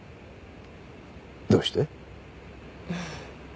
どうして？